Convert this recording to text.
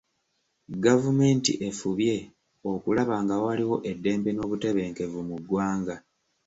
Gavumenti efubye okulaba nga waliwo eddembe n'obutebenkevu mu ggwanga.